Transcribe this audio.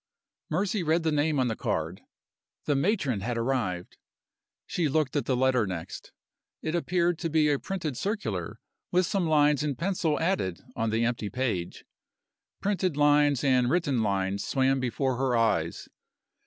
Mercy read the name on the card. The matron had arrived! She looked at the letter next. It appeared to be a printed circular, with some lines in pencil added on the empty page. Printed lines and written lines swam before her eyes.